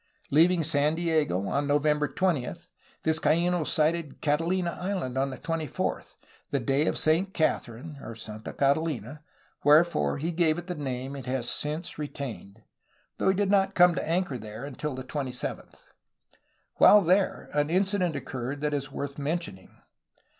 Leaving San Diego on November 20, Vizcaino sighted Catahna Island on the 24th, the day of Saint Catherine (Santa Catahna), wherefore he gave it the name it has since retained, though he did not come to anchor there until the 27th. While there, ar* incident occurred that is worth mentioning.